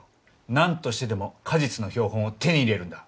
何としてでも果実の標本を手に入れるんだ。